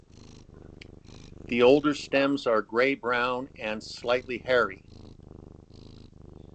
The older stems are grey brown and slightly hairy.